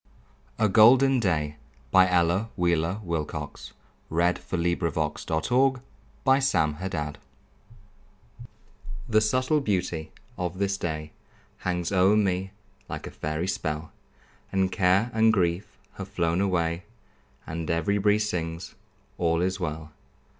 A Golden Day An Ella Wheeler Wilcox Poem A GOLDEN DAY The subtle beauty of this day Hangs o'er me like a fairy spell, And care and grief have flown away, And every breeze sings, "All is well."